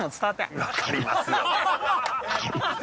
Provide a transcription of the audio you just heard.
分かりますよね